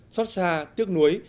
xót xa tiếc nuối